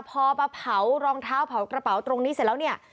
พอมาเผารองเท้ากระเป๋าตรงนี้เสร็จแล้ว